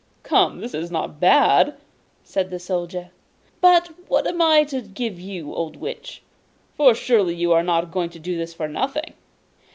'Come, this is not bad!' said the Soldier. 'But what am I to give you, old Witch; for surely you are not going to do this for nothing?